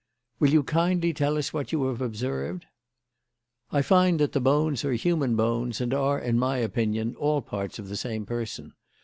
"Will you kindly tell us what you have observed?" "I find that the bones are human bones, and are, in my opinion, all parts of the same person.